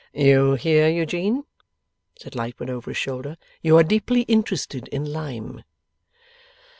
'You hear Eugene?' said Lightwood, over his shoulder. 'You are deeply interested in lime.